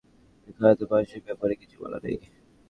এখানে তো পার্শ্বপ্রতিক্রিয়ার ব্যাপারে কিছু বলা নেই।